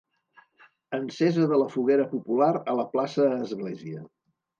Encesa de la foguera popular a la plaça església.